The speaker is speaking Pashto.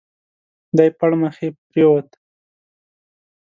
دی پړمخي پرېووت.